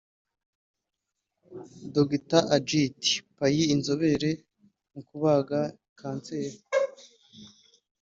Dr Ajit Pai inzobere mu kubaga Kanseri